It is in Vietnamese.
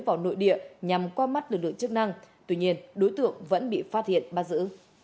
vào nội địa nhằm qua mắt lực lượng chức năng tuy nhiên đối tượng vẫn bị phát hiện bắt giữ